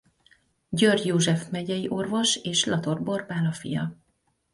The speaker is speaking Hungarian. György József megyei orvos és Lator Borbála fia.